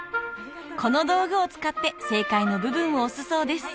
この道具を使って正解の部分を押すそうです